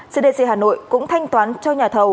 cdc hà nội cũng thanh toán cho nhà thầu